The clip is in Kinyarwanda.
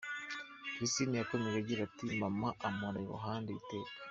Kristina yakomeje agira ati: “Mama ampora iruhnde iteka.